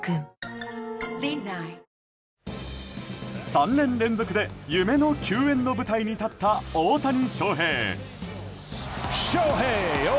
３年連続で夢の球宴の舞台に立った大谷翔平。